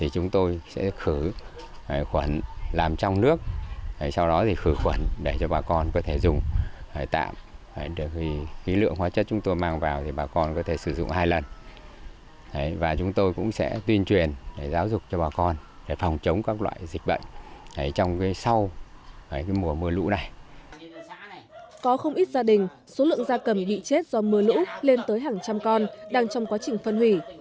có không ít gia đình số lượng gia cầm bị chết do mưa lũ lên tới hàng trăm con đang trong quá trình phân hủy